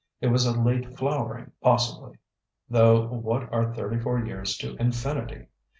It was a late flowering, possibly though what are thirty four years to Infinity?